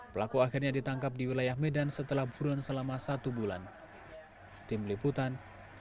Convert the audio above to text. pelaku akhirnya ditangkap di wilayah medan setelah buron selama satu bulan